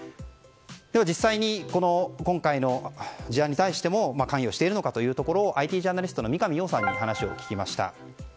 実際に今回の事案に対しても関与しているのかというところをＩＴジャーナリストの三上洋さんに話を聞きました。